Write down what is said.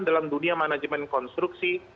dalam dunia manajemen konstruksi